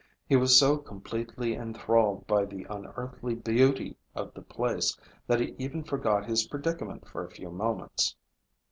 He was so completely enthralled by the unearthly beauty of the place that he even forgot his predicament for a few moments.